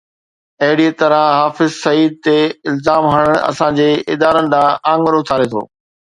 اهڙي طرح حافظ سعيد تي الزام هڻڻ اسان جي ادارن ڏانهن آڱر اُٿاري ٿو.